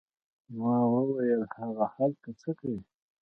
ما وویل: هغه هلته څه کوي؟